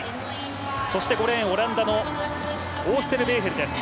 そして５レーン、オランダのオーステルベーヘルです。